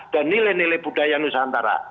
dan nilai nilai budaya nusantara